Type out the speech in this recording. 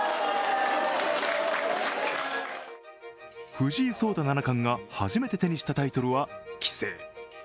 藤井聡太七冠が初めて手にしたタイトルは棋聖。